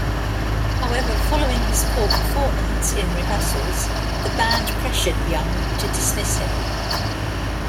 However, following his poor performance in rehearsals, the band pressured Young to dismiss him.